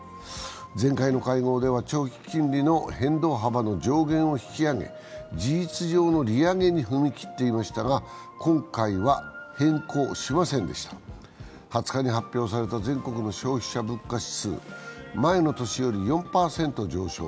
前回の会合では長期金利の変動幅の上限を引き上げ事実上の利上げに踏み切っていましたが、今回は変更しませんでした２０日に発表された全国の消費者物価指数、前の年より４％上昇。